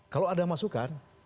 kalau ada masukan